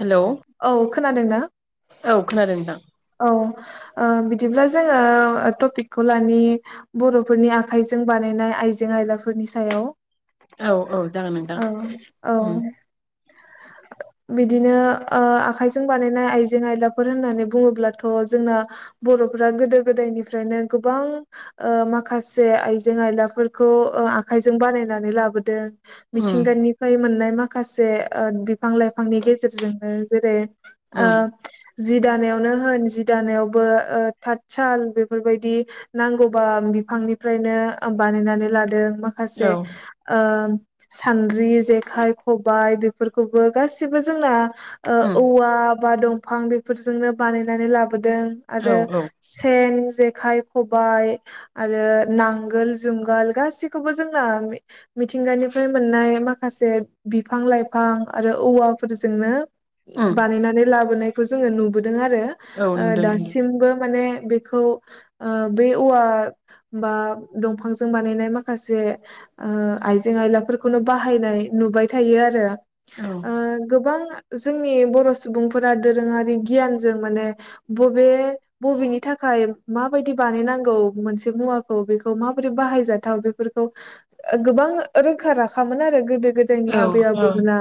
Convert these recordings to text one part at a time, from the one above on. Hello खोनादों ना? औ खोनादों नोंथां। औ बिदिब्ला जोङो टपिकखौ लनि बर'फोरनि आखाइजों बानायनाय आइजें आयलाफोरनि सायाव औ औ जागोन नोंथां औ औ बिदिनो आखायजों बानायनाय आइजें आइलाफोर होननानै बुङोब्लाथ' जोंना बर'फोरा गोदो गोदायनिफ्रायनो गोबां माखासे आइजें आयलाफोरखौ आखाइजों बानायनानै लाबोदों उम मिथिंगानिफ्राय मोननाय माखासे बिफां लाइफांनि गेजेरजोंनो जेरै ओ उम जि दानायाव नो होन जि दानायावबो थतसाल बेफोरबायदि नांगौबा बिफांनिफ्रायनो बानायनानै लादों माखासे औ सान द्रि जेखाय खबाय बेफ फोरखौबो गासिबो जोंना उम ओ औवा बा दंमफां बेफोरजोंनो बानायनानै लाब दों औ आरो औ सेन जेखाइ खबाइ आरो नांगोल जुंगाल गासिखौबो जोंना मिथिंगानिफ्राय मोननाय माखासे बिफां लाइफां आरो औवाफोरजोंनो उम बानायनानै लाबोनाय बो जोङो नुब दों आरो औ नुदों औ दासिमबो माने बेखौ ओ बे औवा बा दंफांजों बानायनाय माखासे आइजें आयलाफोरखौनो बाहायनाय नुबाय थायो आरो। औ ओ गोबां जोंनि बर' सुबुंफोरा दोरोङारि बि गियानजों माने बबे बबेनि थाखाय माबायदि बानायनांगौ मोनसे मुवाखौ बेखौ माबोरै बाहायजाथाव बेफोरखौ ओ गोबां रोखा राखामोन आरो गोदो गोदोनि ओं आबै ओं आबौमोना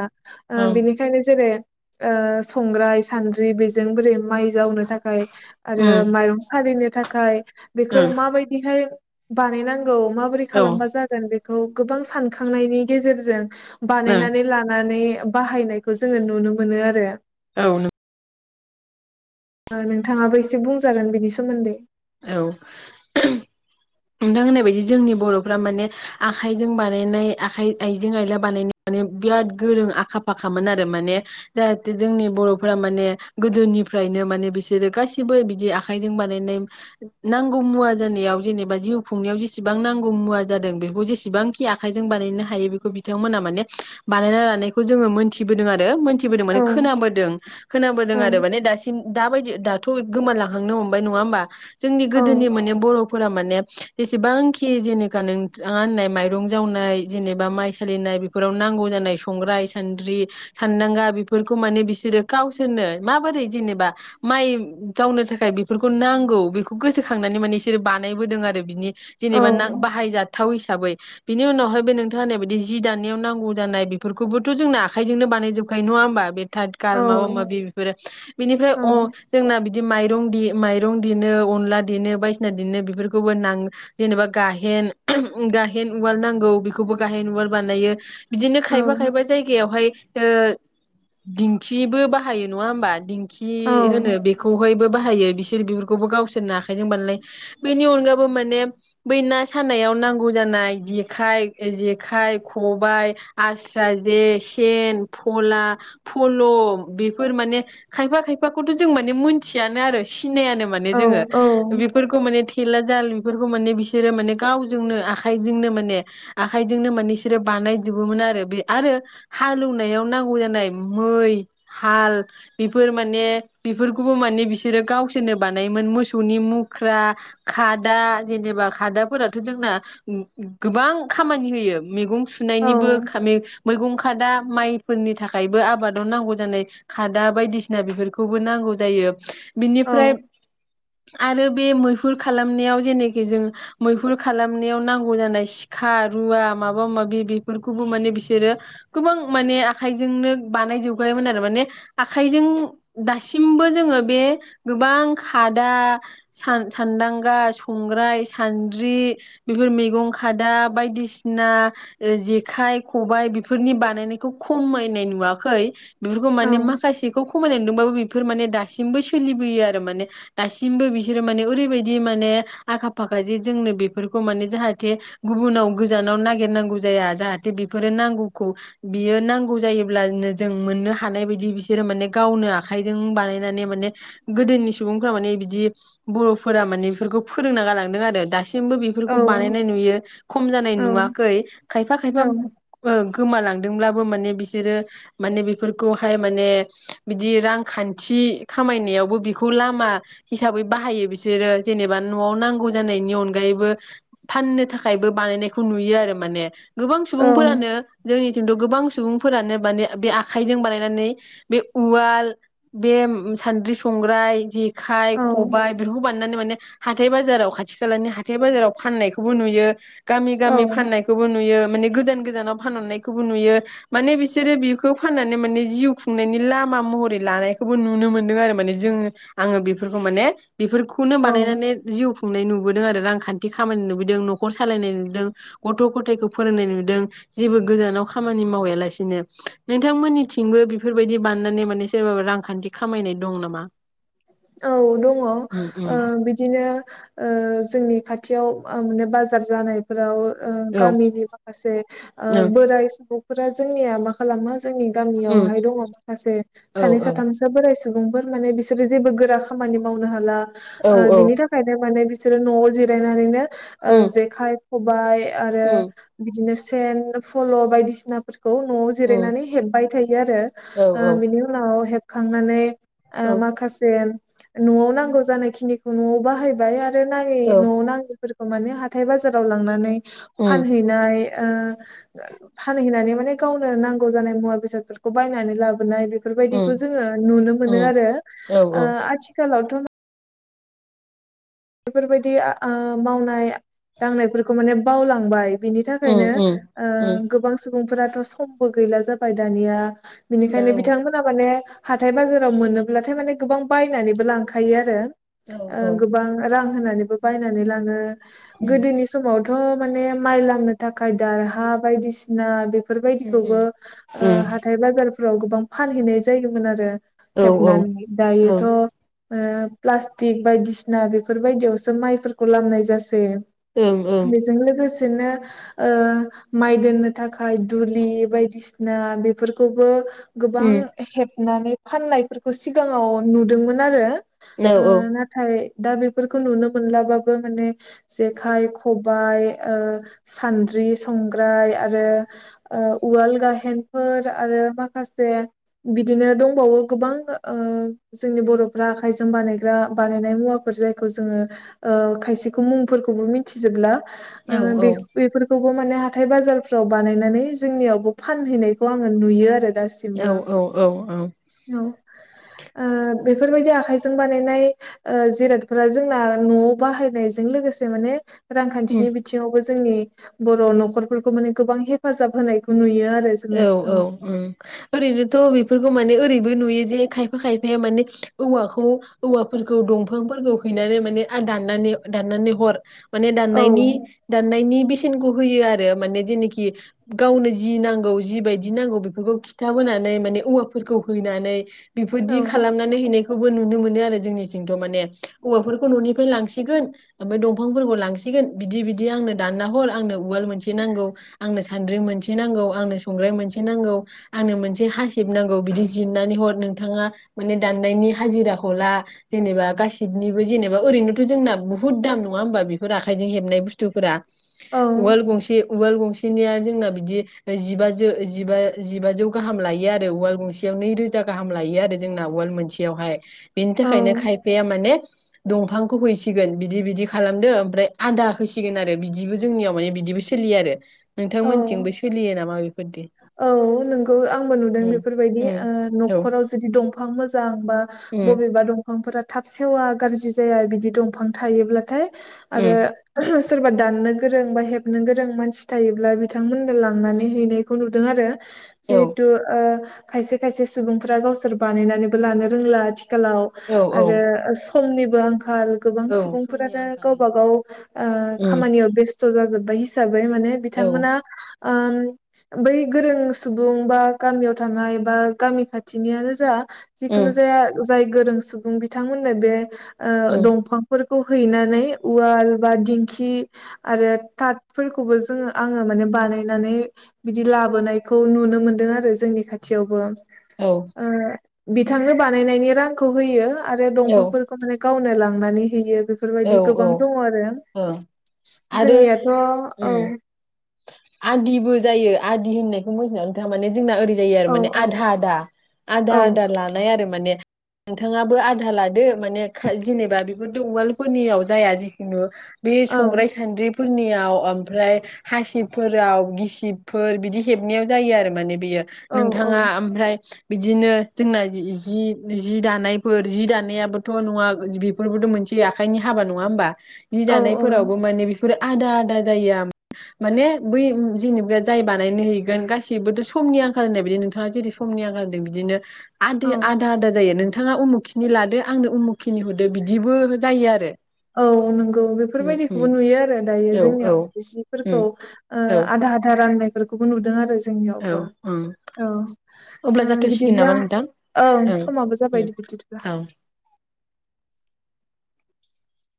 ओ उम बिनिखायनो जेरै ओ संग्राय सान्द्रि बिज जों बोरै माइज जावनो थाखाय आरो माइरं सालिनो थाखाय बेखौ ओं माबायदिहाय बानायनांग गौ माबोरै औ ओं खालामबा जागोन बेख खौ गोबां सानखांनायनि गेजेरजों बानायनानै लानानै बाहायनायखौ जोङो नुनो मोनो आरो। औ नों ओ नोंथाङाबो एसे बुंजागोन बिनि सोमोन्दै। औ [unintelligible] नोंथां होननाय बायदि जोंनि बर'फ्रा माने आखाइजों बानायनाय आखाइ आइजें आइला बानाय नो माने बिराद गोरों आखा फाखामोन आरो माने जाहाथे जोंनि बर'फ्रा माने गोदोनिफ्रायनो माने बिसोरो गासिबो बिदि आखाइजों बानायनाय नांगौ मुवा जानायाव जेनेबा जिउ खुंनायाव जेसेबां नांगौ मुवा जादों बेखौ जेसेबांखि आखायजों बानायनो हायो बेखौ बिथांमोना माने बानायना लानायखौ जोङो मोनथिबोदों आरो मोनथि थि बोदों औ माने खोनाबोदों खोनाबोदों औ आरो माने दासि थिन दााबायदि दाथ' गोमालांखांनो हमबाय नङा होमबा जोंनि औ गोदोनि माने बर'फोरा माने जेसेबांखि जेने खा नोंथाङा होननाय माइरं जावन ओमफ्राय जेबा माइ सालिनाय बेाव नांगौ जानाय संग्राय सानद्रि सानदांगा बेफोरखौ मान बिसोरो गावसोरनो माबोरै जेनेबा माइ जावनो थाखाय बेफोरखौ नांगौ बेखौ गोसोखांनानै म बिसोर बानायबोदों आरो। बिनि औ जेनेबा ना बाहायजा थाव हिसाबै बिनि उनावहाय बे नोंथाङा होननायबायायदि जि दानायाव नांगौ जानाय बेफोरखौबोथ जोंना आखाइजोंनो बानायजोबखायो नङा होमबा बे। थाथ औ गार माबा माबि बेफोरो बिनिफ्राय औ अ जोंना बि। बिदि माइरं-माइरं देनो अनला देनो बायदिसिना देनो बेफोरखौबो नां जेनेबा गाहेन गाहेन उवाल नांगौ बेखौबो गाहेन उवाल बानायो। बिदिनो औ खायबा-खायबा जायगायावहाय। ओ दिंथिबो बाहायो नङा होमबा। खि होनो बेखौहाय बै बो हायो बिसोरबो गावसोर बेनि अनगा माने बै ना सानायाव नांगौ जानाय जेखाय जेखाइ खबाइ, आस्रा जे, सेन फला, फल बेफोर माने खायफा खायफाखौथ जों माने मोनथियनो आरो। सिनायानो माने जोङो औ औ बेफोरखौ माने। [unintelligible] जाल बेफोरखौ माने बिसोरो माने गावजोंनो आखाइजोंनो माने आखाइजोंनो माने बिसोरो बानायजोबोमोन आरो बे आरो हालौनायाव नांगौ जानाय मै, हाल बेफोर माने बेफोरखौबो माने बिसोरो गावसोरनो बानायोमोन मोसौनि मुख्रा। खादा जेनेबा खादाफोराथ' जोंना गोबां खामानि होयो मैगं औ सुनायनिबो खाम मैगं खादा। माइफोरनि थाखायबो आबादाव नांगौ जानाय खादा बायदिसिना बेफोरखौबो नांगौ जायो। औ बिनिफ्राय आरो बे [unintelligible] मैहुर खालामनायाव जेननाखि जों मैहुर खालामनायाव नांगौ जानाय सिखा रुवा माबा माबि बेफोरखौबो माने बिसोरो गोबां माने आखायजोंनो बानायजोबगायोमोन आरो माने आखाइजों दासिमबो जोङो बे गोबां खादा [unintelligible] सान्दांगा, संग्राय, सान्द्रि बेफोर मैगं खादा बायदिसिना जेखाइ- खबाइ बेफोरनि बानायनायखौ खमायनाय नुवाखै। बेफोरखौ माने माखासेखौ खमायदोंबाबो बेफोर माने दासिमबो सोलिबोयो आरो माने दासिमबो बिसोर माने ओरै [unintelligible] माने आखा- फाखा जे जोंनो बेफोरखौ माने जाहाथे गुबुनाव गोजानाव नागिरनांगौ जाया जाहाथे बेफोरो नांगौखौ बियो नांगौ जायोल्बानो जों मोननो हानाय बायदि बिसोरो माने गावनो आखाइजों बानायनानै माने गोदोनि सुबुंफ्रा माने बिदि [unintelligible] [unintelligible] माने बेफोरखौ फोरोंना गालांदों आरो दासिम औ बेफोरखौ बानायनाय नु खम जानाय औ नुवाखै खायफा-खायफा औ गोमालांदोंब्लाबो माने बिसोरो माने बेफोरखौहाय माने बिदि रांखान्थि खामायनायावबो बेखौ लामा हिसाबै बाहायो बिसोर। बिसोरो जेनेबा नआव नांगौ जानायनि अनगायैबो फाननो थाखायबो बानायनायखौ नुयो आरो माने गोबां सुबुंफोरानो जोंनि खिन्थु गोबां सुबुंफोरानो माने बे आखाइजों बानायनानै बे उवाल बे सान्द्रि, संग्राय जि [unintelligible] औ खबाय बिफोरखौ बानाय लाननानै माने हाथाय -बाजाराव खाथि खालानि हाथाय -बाजाराव फाननायखौबो नुयो। गामि-गामि फाननायखौबो नुयो माने गोजान गोजानाव फानहरनायखौबो नुयो माने बिसोरो बेखौ फाननानै माने जिउ खुंनायनि लामा महरै लानायखौबो नुनो मोनदों आरो माने जों आङो बेफोरखौ माने [unintelligible] [unintelligible] औ बानायनानै जिउ [unintelligible] खुंनाय नुबोदों आरो रांखान्थि खामायनाय नुबोदों नखर सालायनाय नुदों गथ' गथायखौ फोरोंनाय नुदों जेबो गोजानाव खामानि मावालासिनो नोंथांमोननिथिंबो बेफोरबायदि बानायनानै माने सोरबा रांखान्थि खामायनाय दं नामा? औ दङ। ओ उम उम बिदिनो ओ जोंनि खाथियाव माने बाजार जानायफोराव ओ औ गामिनि माखासे ओ उम बोराय सुबुं [unintelligible] जोंनिया मा खालामो जोंनि उम गामियावहाय दङ माखासे औ सानै औ साथामसो बोराय सुबुं माने बिसोर [unintelligible] जेबो गोरा खामानि मावनो हाला औ ओ औ बिनि थाखायनो माने बि सोर न'आव जिरायनानैनो ओ उम जेखाय, खबाय, आरो उम बिदिनो बेन फल' बायदिसिनाफोर खौ न'आव उम जिरायनानै हेबबाय थायो आरो। औ ओ बिनि उनाव खांनानै ओ औ माखासे न'आव नांगौ जानायनिखौ न'आव बाहायबाय आरो नाङै औ न'आव नाङैफोर खौ माने हाथाय बाजाराव लांनानै उम फानहैनाय ओ फानहैनानै माने गावनो नांगौ जानाय मुवा बेसादफोरखौ बायनानै लाबोनाय। बे उम बेफोरबायदिखौ जोङो नुनो मोनो उम आरो। औ औ ओ आथिखालावथ' बेफोरबायदि ओ मावनाय दांनायफोरखौ माने बावलांबाय। बिनि उम थाखायनो उम उम गोबां ओ सु बुंफोराथ' समबो गैला जाबाय दानिया। गैया बिनिखायनो औ बिथांमोना माने हाथाय बाजाराव मोनोब्लाथाय माने गोबां बायनानैबो लांखायो आरो। औ ओ औ गोबां रां होनानैबो बायनानै लांङो। उम गोदोनि समाव थ माने माइ लामनो थाखाय दारहा बायदिसिना बे उम फोरबायदिखौबो ओ उम हाथाय बाजार फोराव गोबां फानहैनाय जायोमोन आरो। औ ओं हेबनानै दायोथ, ओ प्लास्टिक बायदिसिना बे बेफोरबायदियावसो माइफोरखौ लामनाय जासै। ओं ओं बेजों लोगोसे। बिदिनो ओ माइ दोननो थाखाय दुलि बायदिसिना बेफोरखौबो। गोबां उम हेबनानै। हेबनानै फाननायफोरखौ सिगाङाव नुदोंमोन आरो। औ ओ नाथाय। दा बेफोरखौ। बेरफोरखौ नुनो मोनलाबाबो माने जेखाय खबाइ सान्द्रि संग्राय आरो उवाल गाहेनफोर आरो माखासे बिदिनो दंबावो गोबां जोंनि बरफ्रा आखायजों बानायग्रा बानायनाय मुवाफोर जाय। जोङो खायसेखौ मुंफोरखौबो मिथिजोबला। ओ औ बे बेफोरखौबो। माने हाथाय बाजारफ्राव बानायनानै जोंनियावबो फानहैनायखौ आंङो नुयो आरो। औ दासिमबो औ औ औ। औ बेफोरबायदि आखाइजों बानायनाय जिराद। [inaudible] जोंना नआव बाहायनायजों लोगोसे माने। उम रांखान्थिनि बिथिङावबो। जोंनि बर नखरफोरखौ माने गोबां हेफाजाब होनायखौ नुयो। आरो जोङो औ औ ओरैनोथ बेफोरखौ माने ओरै। नुयो जे खायफा खायफाया माने औवाखौ औवाफोरखौ दंफांफोरखौ हैनानै माने दान दाननानै हरो। माने औ दाननायनि दाननायनि बेसेबां। बेसेनखौ होयो आरो मानेखि जे गावनो नांगौ। जिबायदि नांगौ बेफोरखौ खिथाबोनानै माने औवाफोरखौ हैनानै। औ बेफोरबायदि खालामनानै हैनाय। खौबो नुनो मोनो आरो जोंनिथिंथ माने औवाफोरखौ ननिफ्राय लांसिगोन। ओमफ्राय दंफांफोरखौ लांसिन। सिगोन बिदि बिदि आंनो दानना हर आंनो। उवाल मोनसे नांगौ आंनो। सान्द्रि मोनसे नांगौ आंनो। संग्राय मोनसे नांगौ आंनो मोनसे हासिब नांगौ बिदि जिरनानै हर नोंथाङा माने दाननायनि हाजिराखौ ला जेनेबा गासिबनिबो जेनेबा ओरैनोथ जोंना बुहुद दाम नङा होमबा बेफोर आखाइजों हेबनाय बुस्थुफोरा। औ उवाल गंसे उवाल थिनिया जोंना बिदि ओमफ्राय जिबा जिबा जिबाजौ गाहाम लायो आरो उवाल गंसेयाव नै रोजा गाहाम लायो आरो जोंना उवाल मोनसेयावहाय बिनि थाखायनो औ खायफाया माने दंफांखौ हैसिगोन बिदि बिदि खालामदो ओमफ्राय आदा होसिगोन आरो बिदिबो जोंनियाव माने बिदिबो सोलियो आरो औ नोंथांमोनथिंबो सोलियो नामा? बेफोरदि औ नोंगौ आंबो नुदों उम बेफोरबायदि उम औ न'खराव जुदि दंफां मोजां। बा उम बबेबा दंफांफोरा थाब सेवा गाज्रि जाया बिदि दंफां थायोब्लाथाय आरो उम सोरबा दाननो गोरों बा हेबनो गोरों मानसि। थायोब्ला बिथांमोननो लांनानै हैनायखौ नुदों आरो। औ जिहेतु आ - खायसे खायसे सुबुंफोरा गावसोर बानायनानैबो लानो रोंला आथि खालाव औ औ आरो ओ- सो समनिबो आंखा आखाल गोबां औ समनि सुबुंफोरानो आंखाल गावब ओं गाव उम ओ-खामानियाव बेस्थ' जाजोब। बै साबै मा औ बिथांमोना। ओम बै गोरों सुबुं बा गामियाव थानाय बा गामि खाथिनियानो जा जिखुनु उम जाया जाय गोरों। सुबुं बिथांमोननो बे। उम ओ-दंफां फोर खौ हैनानै उवाल बा दिंखि आरो थाथफोरखौबो जोङो। आङो माने बानायनानै बिदि लाबोनायखौ नुनो मोनदों आरो जोंनि खाथियावबो। औ ओ बिथांनो बानायनायनि रांखौ होयो। आरो औ दंफांफोरखौ माने गावनो लाङ नानै होयो। औ बेफोरबायदि गोबां दङ आरो ओं आरो जोंनियाथ' औ। उम आदिबो जायो आदि होननायखौ मोथिया नोंथाङा माने जोंना ओरै जायो आरो औ माने आधा औ आदा आधा आदा लानाय आरो माने। नोंथाङाबो आधा लादो माने जेनेबा बेफोर द उवाल। फोरनियाव जाया जिखुनु बे औ संग्राय सान्द्रि। फोरनियाव ओमफ्राय हासिबफोराव गिसिबफोर बिदि हेबनायाव जायो आरो माने बिरो औ औ नोंथाङा ओमफ्राय बिदिनो जोंना जि जि दानायफोर जि दानायाबोथ' नङा बेफोरबोथ' मोनसेै आखायनि हाबा नङा होनोमबा? जि औ औ दानायफोरावबो माने बि बेफोर आदा आदा जायो माने बै जेनेब जाय बानायनो हैगोन गाससिबोथ' समनि आंखाल होननाय बिदि नोंथाङा जेरै समनि आंखालदों बिदिनो औ आदिआदा आदा जायो नों बिथाङा उमुखिनि लादो आंनो उमुखिनि होदो बिदिबो जायो आरो औ नंगौ उम उम बेफोरबायदिखौबो नुयो आरो दायो औ औ जोंनियाव माने जिफोरखौ उम ओ औ आधा आधा राननाय खौबो नुदों आरो जों औ जोंनियावबो उम औ अब्ला ओ जाथ'सिगोन बिदिब्ला नामा नोंथां औ ओं समाबो जाबाय उम बिदिब्ला औ